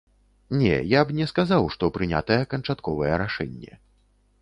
Не, я б не сказаў, што прынятае канчатковае рашэнне.